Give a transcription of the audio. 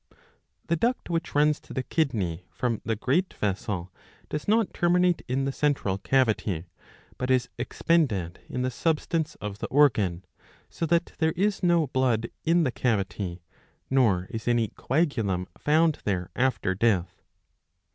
The duct which runs to the kidney from the great vessel does not terminate in the central cavity, but is expended in the substance of the organ, so that there is no blood in the cavity, nor is any coagulum found there after death.